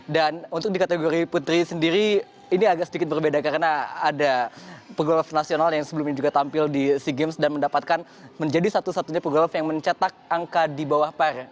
dan untuk di kategori putri sendiri ini agak sedikit berbeda karena ada pegolf nasional yang sebelum ini juga tampil di sea games dan mendapatkan menjadi satu satunya pegolf yang mencetak angka di bawah par